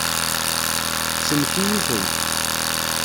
Tekksemt-iyi-tent.